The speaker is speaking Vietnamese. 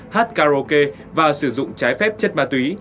hát karaoke và sử dụng trái phép chất ma túy